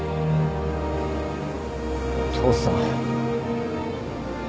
父さん。